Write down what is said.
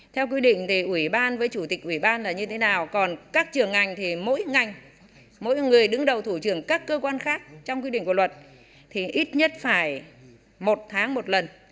theo quy định thì ủy ban với chủ tịch ủy ban là như thế nào còn các trường ngành thì mỗi ngành mỗi người đứng đầu thủ trường các cơ quan khác trong quy định của luật thì ít nhất phải một tháng một lần